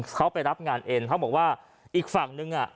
เขาไปรับงานเอ็นเขาบอกว่าอีกฝั่งนึงอ่ะ